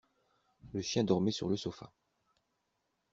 Le chien dormait sur le sofa.